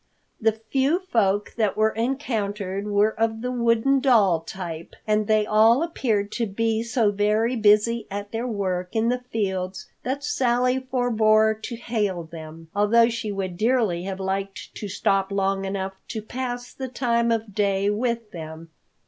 The few folk that were encountered were of the wooden doll type, and they all appeared to be so very busy at their work in the fields that Sally forbore to hail them, although she would dearly have liked to stop long enough to pass the time of day with them.